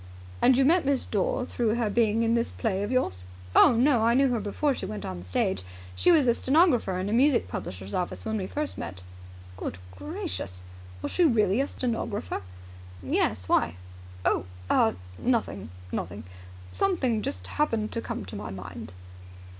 And you met Miss Dore through her being in this play of yours?" "Oh, no. I knew her before she went on the stage. She was a stenographer in a music publisher's office when we first met." "Good gracious! Was she really a stenographer?" "Yes. Why?" "Oh ah nothing, nothing. Something just happened to come to my mind."